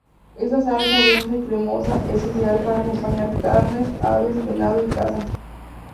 Esta salsa densa y cremosa, es ideal para acompañar carne, aves, venado y caza.